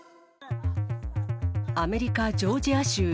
アメリカ・ジョージア州。